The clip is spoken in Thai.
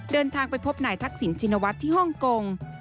เดินทางไปพบนายทักษิณชินวัฒน์ที่ฮ่องกง